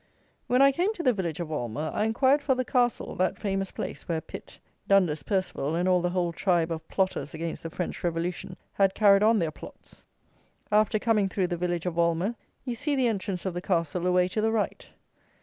When I came to the village of Walmer, I enquired for the Castle; that famous place, where Pitt, Dundas, Perceval, and all the whole tribe of plotters against the French Revolution had carried on their plots. After coming through the village of Walmer, you see the entrance of the Castle away to the right.